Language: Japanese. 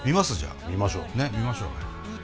ねっ見ましょう。